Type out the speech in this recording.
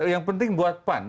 yang penting buat pan